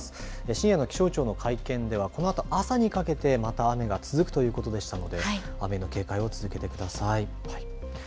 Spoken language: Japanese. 深夜の気象庁の会見ではこのあと朝にかけてまた雨が続くということでしたので雨の警戒を続けてください。